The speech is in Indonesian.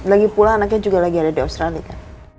lagi pula anaknya juga lagi ada di australia